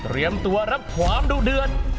เตรียมตัวรับความดูเดือน